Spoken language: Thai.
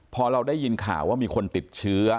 พอเราได้ยินข่าวว่ามีคนติดเชื้อ